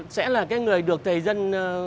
sẽ là cái người được thầy dân